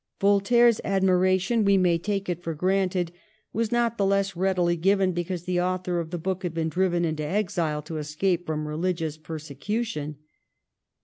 Voltaire's admiration, we may take it for granted, was not the less readily given because the author of the book had been driven into exile to escape from religious persecution.